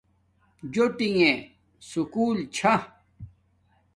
جوٹݣ سکُول چھا